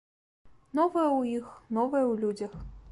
Новае ў іх, новае ў людзях.